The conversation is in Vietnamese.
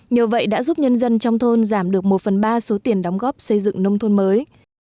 nhờ vậy đã giúp nhân dân trong thôn giảm được một phần ba số tiền đóng góp xây dựng nông thôn mới